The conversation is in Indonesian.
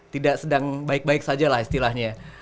tidak sedang baik baik saja lah istilahnya